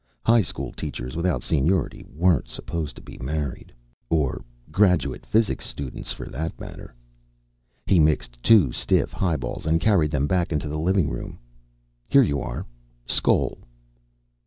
High school teachers without seniority weren't supposed to be married. Or graduate physics students, for that matter. He mixed two stiff highballs and carried them back into the living room. "Here you are. Skoal."